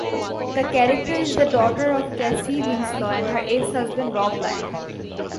The character is the daughter of Cassie Winslow and her ex-husband, Rob Layne.